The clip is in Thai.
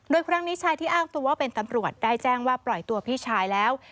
โดยครั้งนี้ชายที่อ้างตัวว่าเป็นตำรวจได้แจ้งว่าปล่อยตัวพี่ชายแล้ว